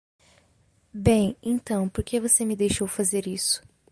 "Bem, então? por que você me deixou fazer isso?"